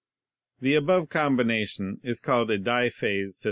The above combination is called a diphase Ia' Fig.